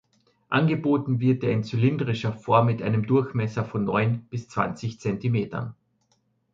Angeboten wird er in zylindrischer Form mit einem Durchmesser von neun bis zwanzig Zentimetern.